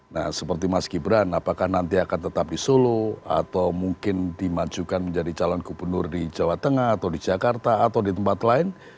nah seperti mas gibran apakah nanti akan tetap di solo atau mungkin dimajukan menjadi calon gubernur di jawa tengah atau di jakarta atau di tempat lain